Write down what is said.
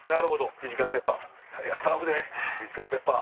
フィジカルペッパー。